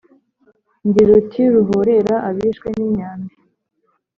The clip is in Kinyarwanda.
Ndi ruti ruhorera abishwe n'imyambi.